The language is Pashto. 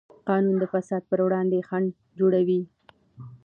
قانون د فساد پر وړاندې خنډ جوړوي.